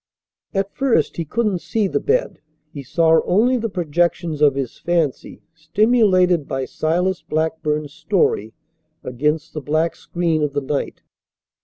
At first he couldn't see the bed. He saw only the projections of his fancy, stimulated by Silas Blackburn's story, against the black screen of the night.